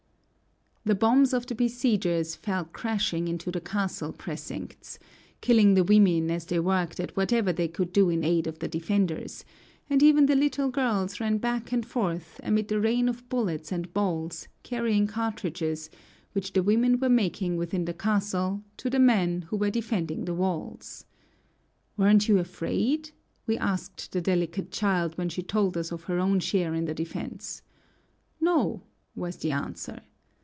The bombs of the besiegers fell crashing into the castle precincts, killing the women as they worked at whatever they could do in aid of the defenders; and even the little girls ran back and forth, amid the rain of bullets and balls, carrying cartridges, which the women were making within the castle, to the men who were defending the walls. "Weren't you afraid?" we asked the delicate child, when she told us of her own share in the defense. "No," was the answer.